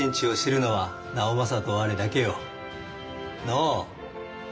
のう？